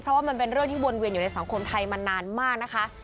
เพราะว่ามันเป็นเรื่องที่วนเวียนอยู่ในสังคมไทยมานานมากนะคะ